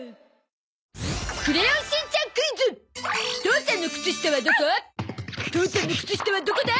父ちゃんの靴下はどこだ？